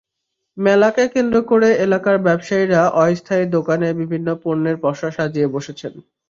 মেলাকে কেন্দ্র করে এলাকার ব্যবসায়ীরা অস্থায়ী দোকানে বিভিন্ন পণ্যের পসরা সাজিয়ে বসেছেন।